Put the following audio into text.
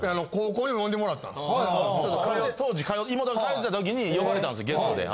当時妹が通ってた時に呼ばれたんですゲストで。